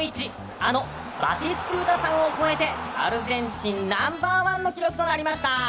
あのバティストゥータさんを超えてアルゼンチンナンバー１の記録となりました。